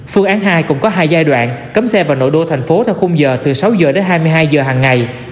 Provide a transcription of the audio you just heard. phương án hai cũng có hai giai đoạn cấm xe vào nội đô thành phố theo khung giờ từ sáu h đến hai mươi hai giờ hằng ngày